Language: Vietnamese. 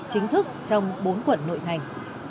chính thức trong bốn quận nội thành